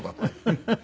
フフフフ。